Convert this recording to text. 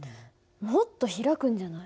もっと開くんじゃない？